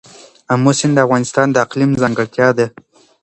آمو سیند د افغانستان د اقلیم ځانګړتیا ده.